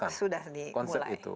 kita sudah letakkan konsep itu